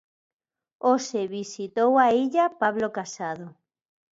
Hoxe visitou a illa Pablo Casado.